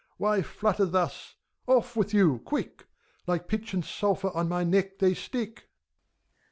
Why flutter thust Off with you, quick! — Like pitch and sulphur on my neck they stick.